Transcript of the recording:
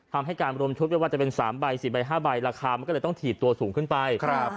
ทำให้การรวมชุดไม่ว่าจะเป็น๓ใบ๔ใบ๕ใบราคามันก็เลยต้องถีดตัวสูงขึ้นไป